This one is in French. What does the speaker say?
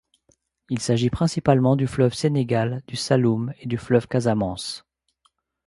Il s'agit principalement du fleuve Sénégal, du Saloum et du fleuve Casamance.